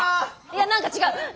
いや何か違う。